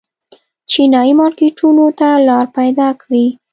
چینايي مارکېټونو ته لار پیدا کړي.